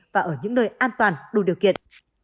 và ở những nơi an toàn đủ điều kiện